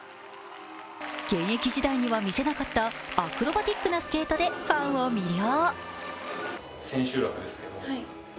現役時代には見せなかったアクロバティックなスケートでファンを魅了。